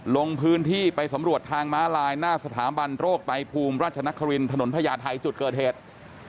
ลงพื้นที่ไปสำรวจทางม้าลายหน้าสถาบันโรคไตภูมิราชนครินถนนพญาไทยจุดเกิดเหตุ